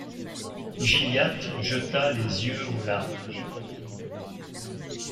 Gilliatt jeta les yeux au large.